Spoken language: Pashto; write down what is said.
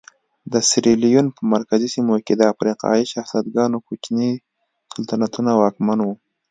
د سیریلیون په مرکزي سیمو کې د افریقایي شهزادګانو کوچني سلطنتونه واکمن وو.